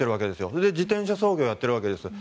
それで自転車操業をやっているわけです。